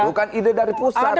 bukan ide dari pusat